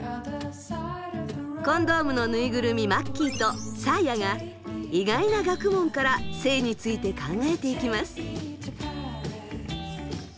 コンドームのぬいぐるみまっきぃとサーヤが意外な学問から性について考えていきます。